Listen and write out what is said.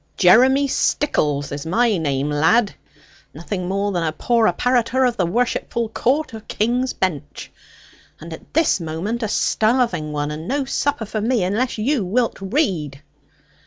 'Jeremy Stickles is my name, lad, nothing more than a poor apparitor of the worshipful Court of King's Bench. And at this moment a starving one, and no supper for me unless thou wilt read.'